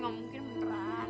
gak mungkin beneran